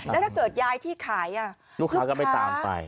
แล้วถ้าเกิดยายที่ขายลูกค้าก็ไม่ตามไป